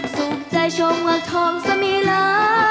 สุขใจชมวังทองสมีลา